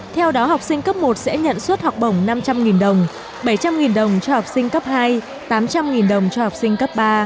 theo đó học sinh cấp một sẽ nhận suất học bổng năm trăm linh đồng bảy trăm linh đồng cho học sinh cấp hai tám trăm linh đồng cho học sinh cấp ba